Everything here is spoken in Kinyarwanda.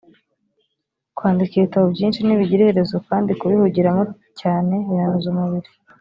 kwandika ibitabo byinshi ntibigira iherezo kandi kubihugiramo cyane binaniza umubiri